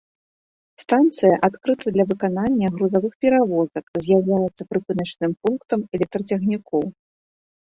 Станцыя адкрыта для выканання грузавых перавозак, з'яўляецца прыпыначным пунктам электрацягнікоў.